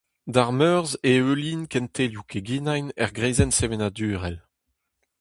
D'ar Meurzh e heuilhin kentelioù keginañ er greizenn sevenadurel.